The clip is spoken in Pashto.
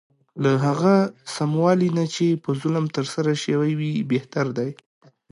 له هغه سموالي نه چې په ظلم ترسره شوی وي بهتر دی.